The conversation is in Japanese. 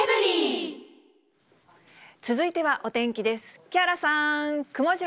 続いてはお天気です。